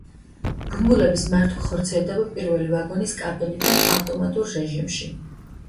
ბმულების მართვა ხორციელდება პირველი ვაგონის კაბინიდან, ავტომატურ რეჟიმში.